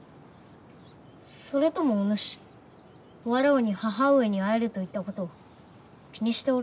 それともおぬしわらわに母上に会えると言った事を気にしておるのか？